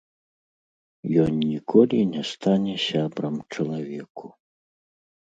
Ён ніколі не стане сябрам чалавеку.